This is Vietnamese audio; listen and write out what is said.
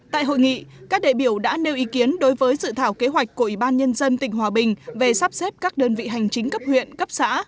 tại hội nghị các đề biểu đã nêu ý kiến đối với sự thảo kế hoạch của ubnd tỉnh hòa bình về sắp xếp các đơn vị hành chính cấp huyện cấp xã